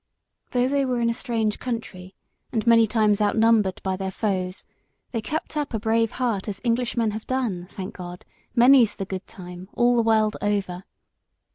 Though they were in a strange country and many times outnumbered by their foes, they kept up a brave heart as Englishmen have done, thank God, many's the good time, all the world over.